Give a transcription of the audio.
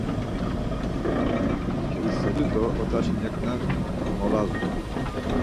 Keiselu do odaşi neǩna molazdu.